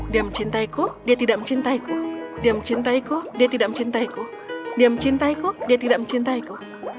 dia mencintaiku dia tidak mencintaiku dia mencintaiku dia tidak mencintaiku dia mencintaiku dia tidak mencintaiku